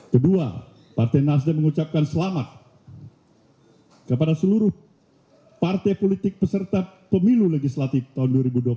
kedua partai nasdem mengucapkan selamat kepada seluruh partai politik peserta pemilu legislatif tahun dua ribu dua puluh empat